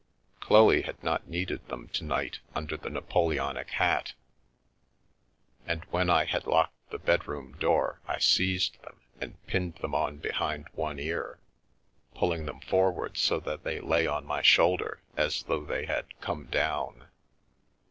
Chloe had not needed them to nig under the Napoleonic hat, and when I had locked t bedroom door I seized them and pinned them on behii one ear, pulling them forward so that they lay on n shoulder as though they had " come down."